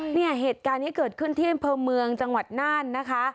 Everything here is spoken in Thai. เนี่ยเหตุการณ์นี้เกิดขึ้นที่อำเภอเมืองจังหวัดน่านนะคะ